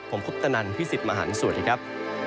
ผมพุทธนันทร์พี่สิทธิ์มหานศูนย์สวัสดีครับ